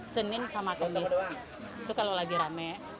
senin sama komisi itu kalau lagi rame